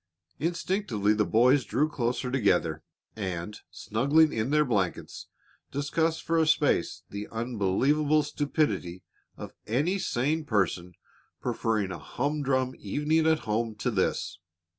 Instinctively the boys drew closer together and, snuggling in their blankets, discussed for a space the unbelievable stupidity of any sane person preferring a humdrum evening at home to this.